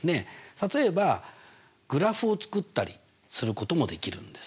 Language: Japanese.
例えばグラフを作ったりすることもできるんです。